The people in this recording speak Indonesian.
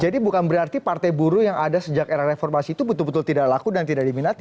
jadi bukan berarti partai buruh yang ada sejak era reformasi itu betul betul tidak laku dan tidak diminati